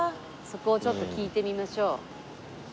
そこをちょっと聞いてみましょう。